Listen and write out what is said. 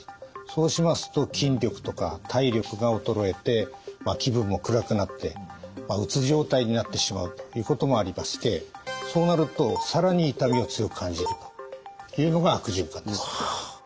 そうしますと筋力とか体力が衰えて気分も暗くなってうつ状態になってしまうということもありましてそうなると更に痛みを強く感じるというのが悪循環です。